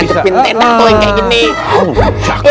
kayu gua tajepin tenda atau yang kayak gini